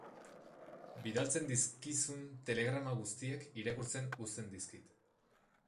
Bidaltzen dizkizun telegrama guztiak irakurtzen uzten dizkit.